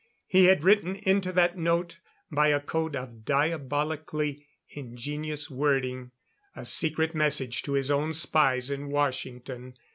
He had written into that note by a code of diabolically ingenious wording a secret message to his own spies in Washington.